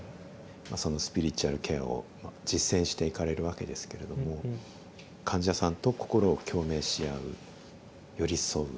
そのスピリチュアルケアを実践していかれるわけですけれども患者さんと心を共鳴し合う寄り添う。